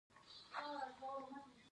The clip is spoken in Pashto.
آیا باید ورسره تعامل ونشي؟